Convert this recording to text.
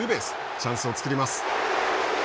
チャンスを作ります。